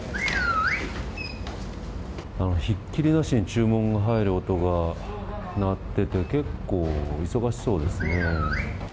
ひっきりなしに注文が入る音が鳴ってて、結構忙しそうですね。